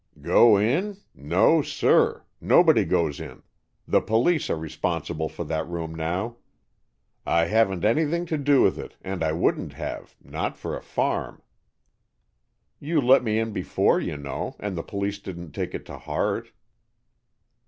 "Go in? No, sir! Nobody goes in. The police are responsible for that room, now. I haven't anything to do with it, and I wouldn't have, not for a farm." "You let me in before, you know, and the police didn't take it to heart."